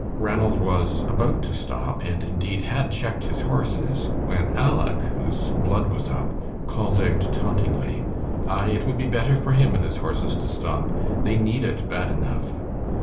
Ranald was about to stop, and indeed had checked his horses, when Aleck, whose blood was up, called out tauntingly, "Aye, it would be better for him and his horses to stop. They need it bad enough."